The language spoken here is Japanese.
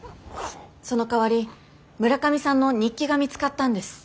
そのかわり村上さんの日記が見つかったんです。